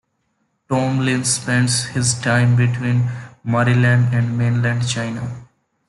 Tony Lin spends his time between Maryland and mainland China.